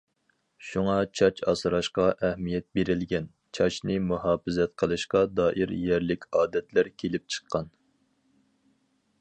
شۇڭا چاچ ئاسراشقا ئەھمىيەت بېرىلگەن، چاچنى مۇھاپىزەت قىلىشقا دائىر يەرلىك ئادەتلەر كېلىپ چىققان.